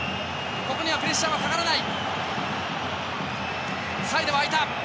ここにはプレッシャーはかからない。